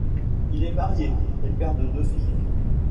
Il est marié, et père de deux filles.